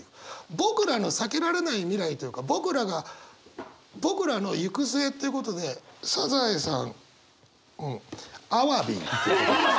僕らの避けられない未来というか僕らの行く末っていうことでサザエさん。